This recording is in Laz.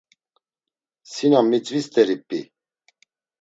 Si na mitzvi steri p̌i.